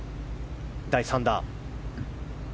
第３打。